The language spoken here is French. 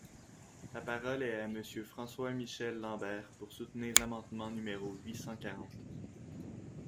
La parole est à Monsieur François-Michel Lambert, pour soutenir l’amendement numéro huit cent quatre.